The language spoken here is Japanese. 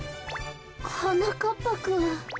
はなかっぱくん。